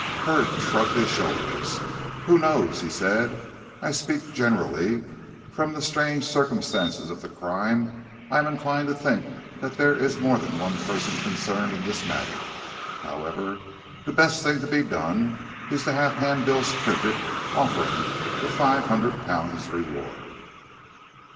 Hurd shrugged his shoulders. "Who knows?" he said. "I speak generally. From the strange circumstances of the crime I am inclined to think that there is more than one person concerned in this matter. However, the best thing to be done is to have hand bills printed offering the five hundred pounds reward.